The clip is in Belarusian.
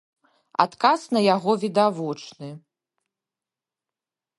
Адказ на яго відавочны.